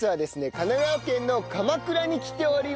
神奈川県の鎌倉に来ております。